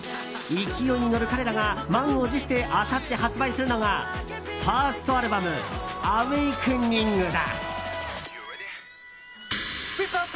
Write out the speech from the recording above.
勢いに乗る彼らが満を持してあさって発売するのがファーストアルバム「Ａｗａｋｅｎｉｎｇ」だ。